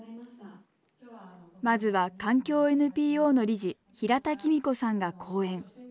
まずは環境ＮＰＯの理事平田仁子さんが講演。